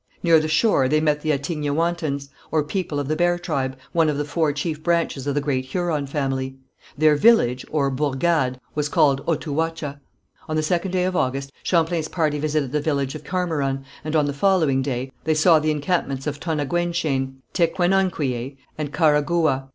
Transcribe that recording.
Near the shore they met the Attignaouantans, or people of the bear tribe, one of the four chief branches of the great Huron family. Their village or bourgade was called Otouacha. On the second day of August, Champlain's party visited the village of Carmeron, and on the following day, they saw the encampments of Tonaguainchain, Tequenonquiayé and Carhagouha.